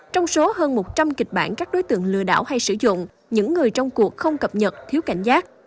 trong số hơn một trăm linh kịch bản các đối tượng lừa đảo hay sử dụng những người trong cuộc không cập nhật thiếu cảnh giác